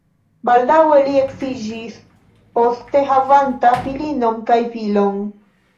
Baldaŭe li edziĝis, poste havanta filinon kaj filon.